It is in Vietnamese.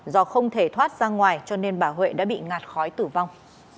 do không thể thoát ra ngoài cho nên bà huệ đã bị ngạt khói tử vong